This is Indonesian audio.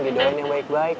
didoain yang baik baik